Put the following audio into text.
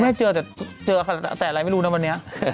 เจอแต่เจอแต่อะไรไม่รู้นะวันนี้